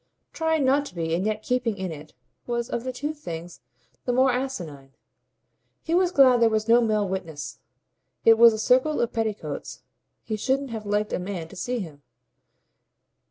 Trying not to be and yet keeping in it was of the two things the more asinine. He was glad there was no male witness; it was a circle of petticoats; he shouldn't have liked a man to see him.